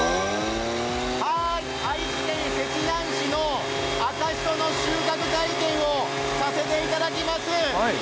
愛知県碧南市の赤しその収穫体験をさせていただきます。